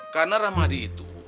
karena rahmadi itu